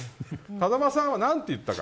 風間さんは何と言ったか。